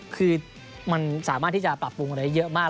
คือมันสามารถที่จะปรับปรุงอะไรเยอะมาก